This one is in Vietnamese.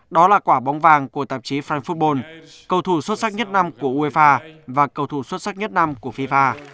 đó là quả bóng vàng của tạp chí phanfio bolt cầu thủ xuất sắc nhất năm của uefa và cầu thủ xuất sắc nhất năm của fifa